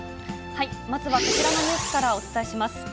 まずはこちらのニュースからお伝えします。